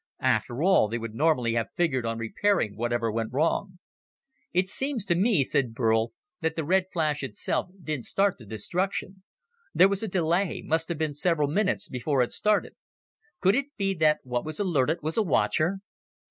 After all, they would normally have figured on repairing whatever went wrong." "It seems to me," said Burl, "that the red flash itself didn't start the destruction. There was a delay must have been several minutes before it started. Could it be, that what was alerted was a watcher?"